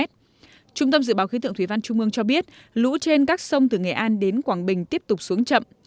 trung tâm dự báo khí tượng thủy văn trung ương cho biết lũ trên các sông từ nghệ an đến quảng bình tiếp tục xuống chậm